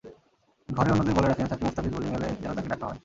ঘরের অন্যদের বলে রাখেন, সাকিব-মুস্তাফিজ বোলিংয়ে এলে যেন তাঁকে ডাকা হয়।